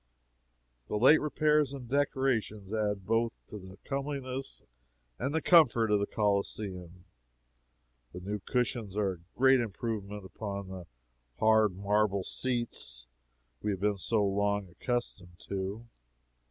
"The late repairs and decorations add both to the comeliness and the comfort of the Coliseum. The new cushions are a great improvement upon the hard marble seats we have been so long accustomed to.